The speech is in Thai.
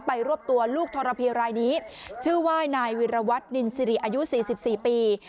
รวบตัวลูกทรพีรายนี้ชื่อว่านายวิรวัตนินสิริอายุ๔๔ปี